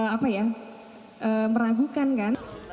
apa ya meragukan kan